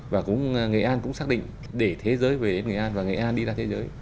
và cũng nghệ an cũng xác định để thế giới về đến nghệ an và nghệ an đi ra thế giới